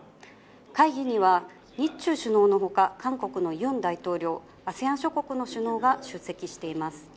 会議には、日中首脳のほか、韓国のユン大統領、ＡＳＥＡＮ諸国の首脳が出席しています。